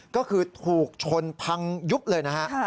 ก็คือถูกชนพังยุบเลยนะฮะ